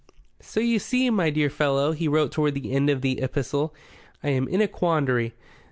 "So you see, my dear fellow," he wrote toward the end of the epistle, "I am in a quandary.